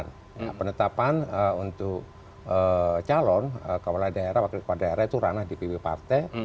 nah penetapan untuk calon kepala daerah wakil kepala daerah itu ranah dpp partai